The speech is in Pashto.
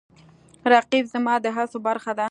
رقیب زما د هڅو برخه ده